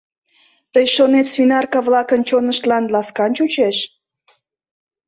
Тый шонет, свинарка-влакын чоныштлан ласкан чучеш?